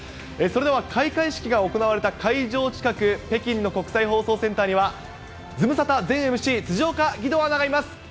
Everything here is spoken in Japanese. それでは開会式が行われた会場近く、北京の国際放送センターには、ズムサタ前ＭＣ、辻岡義堂アナがいます。